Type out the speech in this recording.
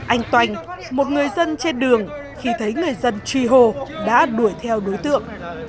anh toanh một người dân trên đường khi thấy người dân truy hô đã đuổi theo đối tượng